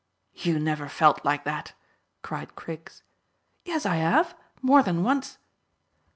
"You never felt like that?" cried Griggs. "Yes, I have, more than once."